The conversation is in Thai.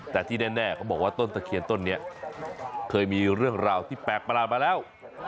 แต่ที่แน่เขาบอกว่าต้นตะเคียนต้นนี้เคยมีเรื่องราวที่แปลกประหลาดมาแล้ว